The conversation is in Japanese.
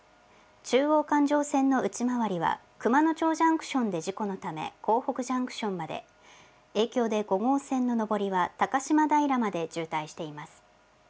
中央環状線の内回りは、熊野町ジャンクションで事故のためこうほくジャンクションまで、影響で５号線の上りは高島平まで渋滞しています。